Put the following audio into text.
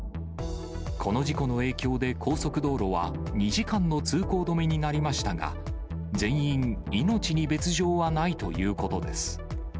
この事故の影響で高速道路は２時間の通行止めになりましたが、全員、命に別状はないということです。